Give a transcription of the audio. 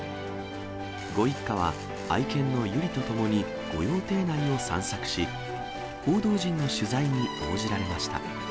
ご一家は愛犬の由莉とともに御用邸内を散策し、報道陣の取材に応じられました。